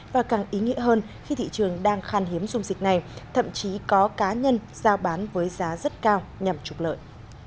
và càng ý nghĩa hơn khi thị trường đang khan hiếm dung dịch này thậm chí có cá nhân giao bán với giá rất cao nhằm trục lợi